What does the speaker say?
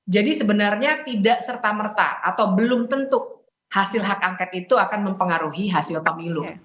jadi sebenarnya tidak serta merta atau belum tentu hasil hak angket itu akan mempengaruhi hasil pemilu